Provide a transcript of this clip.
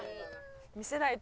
見せないと。